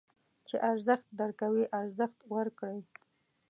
چې ارزښت درکوي، ارزښت ورکړئ.